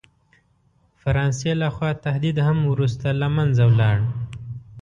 فرانسې له خوا تهدید هم وروسته له منځه ولاړ.